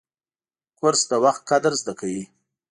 کورس د وخت قدر زده کوي.